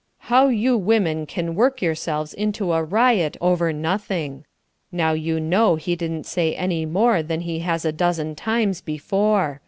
"How you women can work yourselves into a riot over nothing. Now you know he didn't say any more than he has a dozen times before.